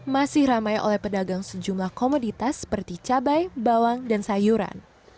masih ramai oleh pedagang sejumlah komoditas seperti cabai bawang dan sayuran